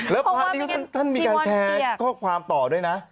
แล้วพระนี่ก็ท่านมีการแชร์ข้อความต่อด้วยนะ